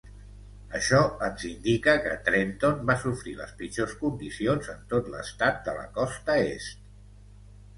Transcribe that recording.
Això ens indica que Trenton va sofrir les pitjors condicions en tot l'estat de la Costa Est.